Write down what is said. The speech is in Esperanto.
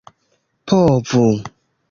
povu